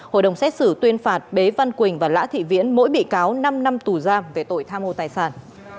hội đồng xét xử tuyên phạt bế văn quỳnh và lã thị viễn mỗi bị cáo năm năm tù giam về tội tham mô tài sản